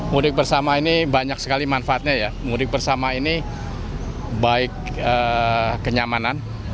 mudik bersama ini banyak sekali manfaatnya ya mudik bersama ini baik kenyamanan